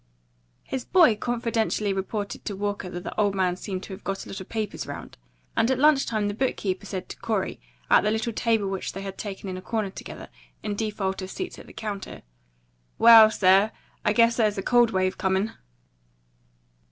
His boy confidentially reported to Walker that the old man seemed to have got a lot of papers round; and at lunch the book keeper said to Corey, at the little table which they had taken in a corner together, in default of seats at the counter, "Well, sir, I guess there's a cold wave coming."